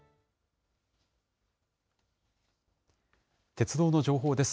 鉄道の情報です。